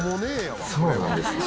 そうなんですか？